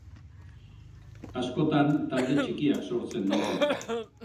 Askotan talde txikiak sortzen ditu.